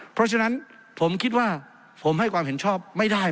เพราะฉะนั้นผมคิดว่าผมให้ความเห็นชอบไม่ได้